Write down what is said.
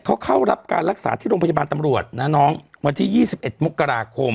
เขาเข้ารับการรักษาที่โรงพยาบาลตำรวจนะน้องวันที่๒๑มกราคม